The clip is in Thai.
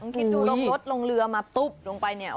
ต้องคิดดูรถลงเรือมาตุ๊บลงไปเนี่ย